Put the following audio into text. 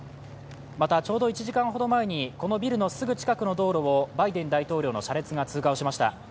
また、ちょうど１時間ほど前に、このビルのすぐ近くの道路をバイデン大統領の車列が通過をしました。